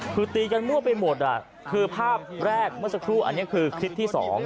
คือตีกันมั่วไปหมดคือภาพแรกเมื่อสักครู่อันนี้คือคลิปที่๒